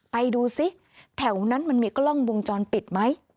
ไปดูซิแถวนั้นมันมีกล้องวงจรปิดไหม